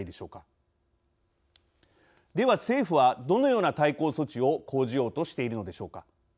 では政府はどのような対抗措置を講じようとしているのでしょうか。